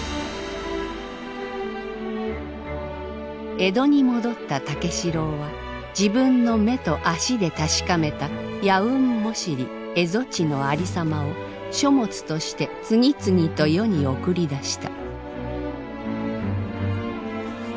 江戸に戻った武四郎は自分の目と足で確かめたヤウンモシリ蝦夷地のありさまを書物として次々と世に送り出した。